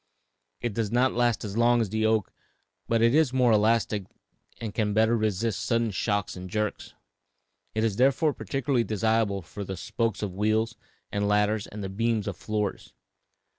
It does not last so long as the oak, but it is more elastic and can better resist sudden shocks and jerks; it is therefore particularly desirable for the spokes of wheels and ladders and the beams of floors.